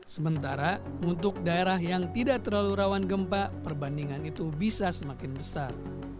sementara untuk daerah yang tidak terlalu rawan gempa perbandingan itu bisa semakin besar